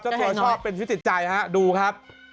ถ้าตัวชอบเป็นชีวิตใจดูครับ